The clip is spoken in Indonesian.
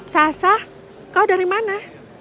sasa kau dari mana